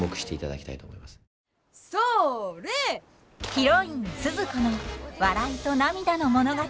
ヒロインスズ子の笑いと涙の物語。